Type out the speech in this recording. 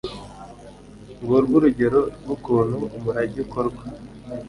ngurwo urugero rw'ukuntu umurage ukorwa